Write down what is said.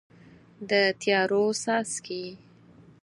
د تیارو څاڅکي